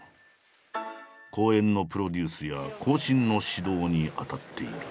公演のプロデュースや後進の指導に当たっている。